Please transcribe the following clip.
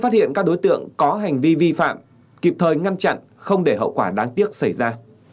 phát hiện các đối tượng có hành vi vi phạm kịp thời ngăn chặn không để hậu quả đáng tiếc xảy ra